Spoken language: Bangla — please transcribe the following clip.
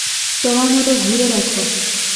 তোমার মত ঘুরে দেখো।